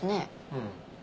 うん。